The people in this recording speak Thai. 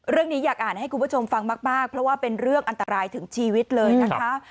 อยากอ่านให้คุณผู้ชมฟังมากเพราะว่าเป็นเรื่องอันตรายถึงชีวิตเลยนะคะ